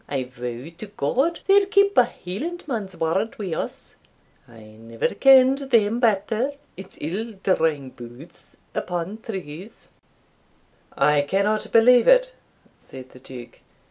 I vow to God they'll keep a Hielandman's word wi' us I never ken'd them better it's ill drawing boots upon trews." "I cannot believe it," said the Duke.